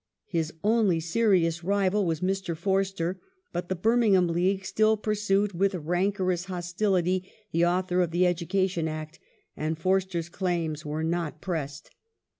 His only serious rival was Mr. Forster, but the Birmingham League still pui'sued with rancorous hostility the author of the Education Act and Foi ster's claims were not pressed.